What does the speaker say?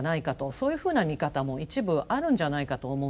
そういうふうな見方も一部あるんじゃないかと思うんですよね。